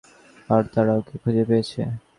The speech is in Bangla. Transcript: আর তারা ওকে খুঁজে পেয়েছে।